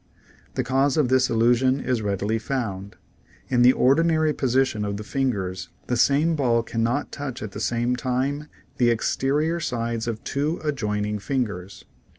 The cause of this illusion is readily found. In the ordi nary position of the fingers the same ball cannot touch at the same time the exterior sides of two adjoining ringers.